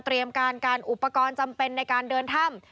การการอุปกรณ์จำเป็นในการเดินถ้ำ